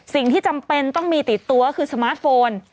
สิ่งที่จำเป็นต้องมีติดตัวคือสมาร์ทโฟน